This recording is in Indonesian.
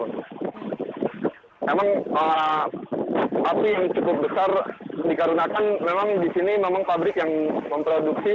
memang api yang cukup besar dikarenakan memang di sini memang pabrik yang memproduksi